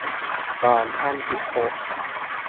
สองพันสิบหก